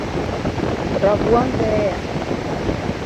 Rabuon deya